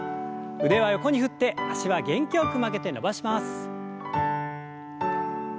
腕は横に振って脚は元気よく曲げて伸ばします。